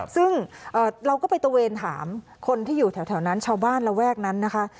ซึ่งเราก็ไปตะเวนถามคนที่อยู่แถวนั้นชาวบ้านระแวกนั้นนะคะ